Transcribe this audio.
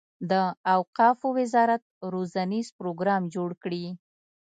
د اوقافو وزارت روزنیز پروګرام جوړ کړي.